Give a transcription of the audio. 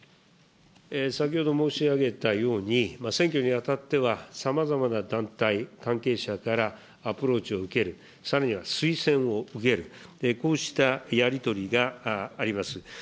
先ほど申し上げたように、選挙にあたっては、さまざまな団体、関係者からアプローチを受ける、さらには推薦を受ける、こうしたやり取りがあります。